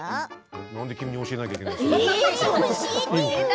なんで君に教えなくちゃいけないの？